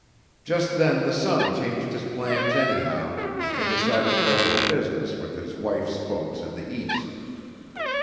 Just then the son changed his plans anyhow, and decided to go into business with his wife's folks in the East.